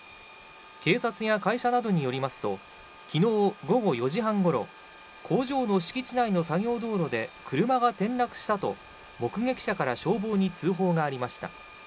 警察や会社などによりますと、きのう午後４時半ごろ、工場の敷地内の作業道路で車が転落したと、目撃者から消防に通報がありました。